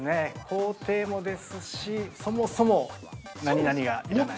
工程もですし、そもそも何々が要らない。